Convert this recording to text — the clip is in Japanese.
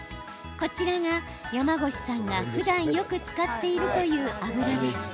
こちらが、山越さんが、ふだんよく使っているという油です。